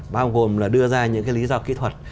bao gồm là đưa ra những cái lý do kỹ thuật